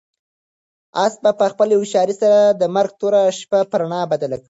آس په خپلې هوښیارۍ سره د مرګ توره شپه په رڼا بدله کړه.